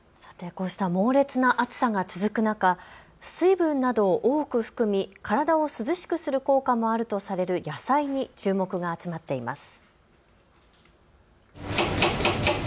こうした猛烈な暑さが続く中、水分などを多く含み体を涼しくする効果もあるとされる野菜に注目が集まっています。